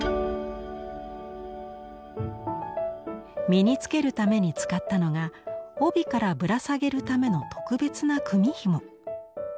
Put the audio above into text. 身に着けるために使ったのが帯からぶら下げるための特別な組みひも。